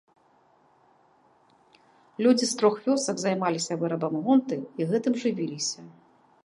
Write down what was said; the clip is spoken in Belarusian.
Людзі з трох вёсак займаліся вырабам гонты і гэтым жывіліся.